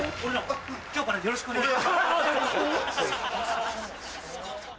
今日からよろしくお願いします。